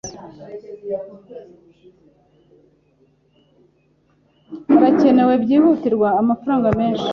Harakenewe byihutirwa amafaranga menshi.